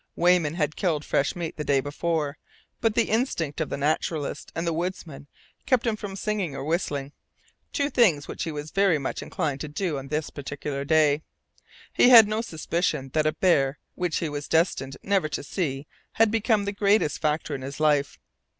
Weyman had killed fresh meat the day before, but the instinct of the naturalist and the woodsman kept him from singing or whistling, two things which he was very much inclined to do on this particular day. He had no suspicion that a bear which he was destined never to see had become the greatest factor in his life.